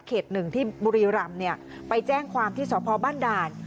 เขต๑ที่บุรีรัมน์เนี่ยไปแจ้งความที่สภบ้านด่าน